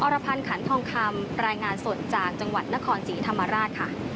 รพันธ์ขันทองคำรายงานสดจากจังหวัดนครศรีธรรมราชค่ะ